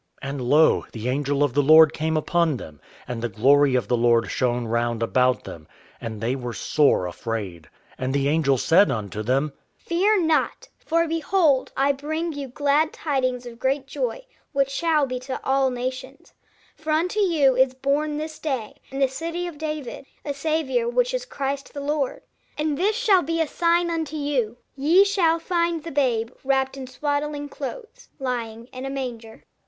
And lo! the angel of the Lord came upon them, and the glory of the Lord shone round about them, and they were sore afraid. And the angel said unto them: "Fear not; for behold I bring you glad tidings of great joy which shall be to all nations. For unto you is born this day, in the city of David, a Saviour, which is Christ the Lord. And this shall be a sign unto you; ye shall find the babe wrapped in swaddling clothes, lying in a manger."